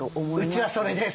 うちはそれです。